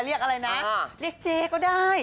เรียกอะไรนะเรียกเจ๊ก็ได้